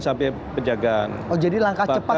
sampai penjagaan oh jadi langkah cepat